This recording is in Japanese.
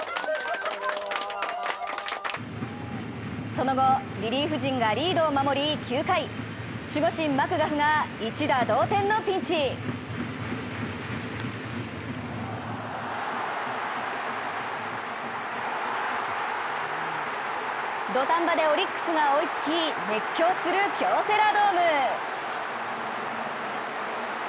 その後、リリーフ陣がリードを守り９回、守護神・マクガフが一打同点のピンチ土壇場でオリックスが追いつき、熱狂する京セラドーム。